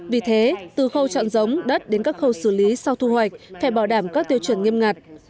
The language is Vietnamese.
vì thế từ khâu chọn giống đất đến các khâu xử lý sau thu hoạch phải bảo đảm các tiêu chuẩn nghiêm ngặt